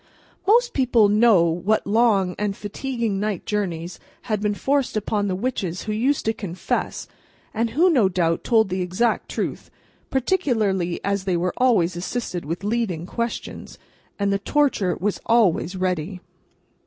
Most people know what long and fatiguing night journeys had been forced upon the witches who used to confess, and who, no doubt, told the exact truth—particularly as they were always assisted with leading questions, and the Torture was always ready.